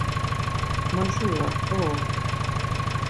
Majurak, Hooo…